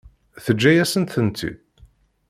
Teǧǧa-yasent-tent-id?